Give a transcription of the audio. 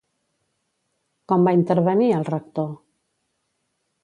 Com va intervenir el Rector?